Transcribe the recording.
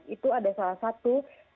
itu ada salah satu